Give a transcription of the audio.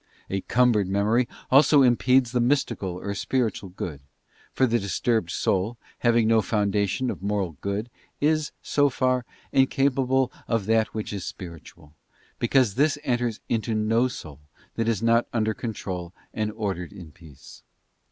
A cumbered Memory also impedes the mystical or spiritual good; for the disturbed soul, having no foundation of moral good is, so far, incapable of that which is spiritual, because this enters into no soul, that is not under control and ordered in peace.